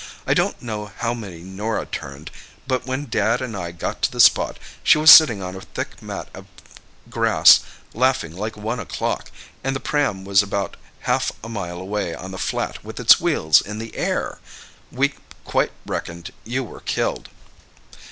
I don't know how many Norah turned—but when Dad and I got to the spot she was sitting on a thick mat of grass, laughing like one o'clock, and the pram was about half a mile away on the flat with its wheels in the air! We quite reckoned you were killed."